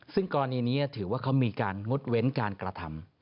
ซึ่งกรณีนี้ถือว่าเขามีการงดเว้นการกระทำ